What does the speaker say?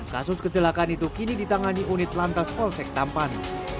kasus kecelakaan itu kini ditangani unit lantas polsek tampan